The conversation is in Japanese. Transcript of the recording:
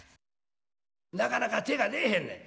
なかなか手が出えへんねん。